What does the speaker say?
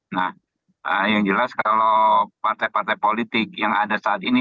nah yang jelas kalau partai partai politik yang ada saat ini